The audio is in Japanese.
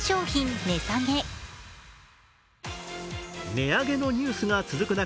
値上げのニュースが続く中